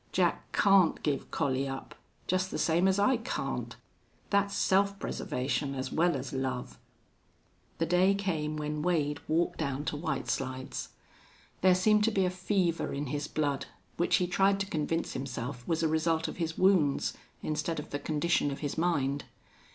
Jack can't give Collie up, just the same as I can't. That's self preservation as well as love." The day came when Wade walked down to White Slides. There seemed to be a fever in his blood, which he tried to convince himself was a result of his wounds instead of the condition of his mind.